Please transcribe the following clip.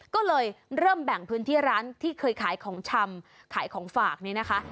ก็เลยเริ่มแบ่งพื้นที่ร้านที่เคยขายของชำขายของฝากนี้นะคะ